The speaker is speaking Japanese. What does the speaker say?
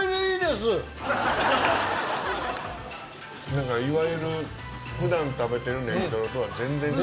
なんかいわゆる普段食べてるネギトロとは全然違う。